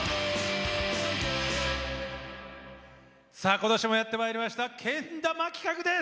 今年もやってまいりましたけん玉企画です。